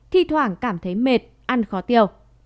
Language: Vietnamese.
thì thoảng cảm thấy mệt ăn khó tiêu